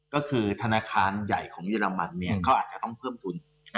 ก็คือธนาคารใหญ่ของเยอรมันเขาอาจจะต้องเพิ่มทุน